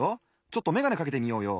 ちょっとめがねかけてみようよ。